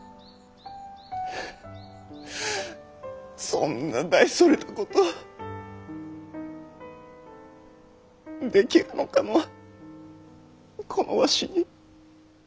そんな大それたことできるのかのこのわしに。